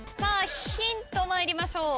ヒント参りましょう。